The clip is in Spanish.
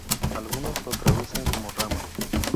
Algunos lo traducen como rama.